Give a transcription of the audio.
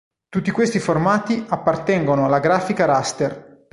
Tutti questi formati appartengono alla grafica "raster".